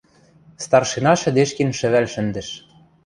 Старшина шӹдешкен шӹвӓл шӹндӹш.